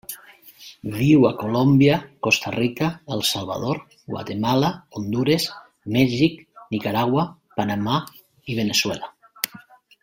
Viu a Colòmbia, Costa Rica, El Salvador, Guatemala, Hondures, Mèxic, Nicaragua, Panamà i Veneçuela.